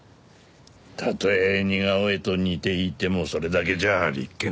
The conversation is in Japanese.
たとえ似顔絵と似ていてもそれだけじゃ立件は難しい。